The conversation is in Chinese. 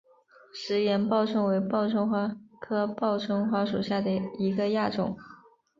石岩报春为报春花科报春花属下的一个亚种。